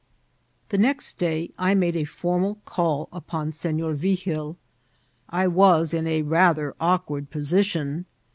The next day I made a formal call upon Senor Vigil. I was in a rather awkward position.